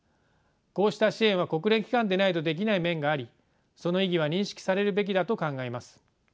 こうした支援は国連機関でないとできない面がありその意義は認識されるべきだと考えます。